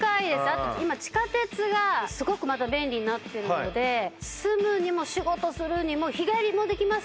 あと今地下鉄がすごくまた便利になってるので住むにも仕事するにも日帰りもできます